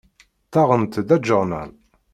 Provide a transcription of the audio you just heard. Ttaɣent-d aǧernan.